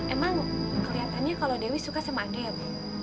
emang keliatannya kalau dewi suka sama andre w